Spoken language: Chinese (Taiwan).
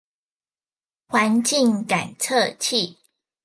環境感測器